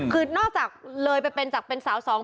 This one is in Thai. คือนอกจากเลยไปเป็นจากเป็นสาวสอง